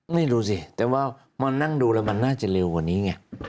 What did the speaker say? ไม่รู้สิแต่ว่ามานั่งดูแล้วมันน่าจะเร็วกว่านี้ไง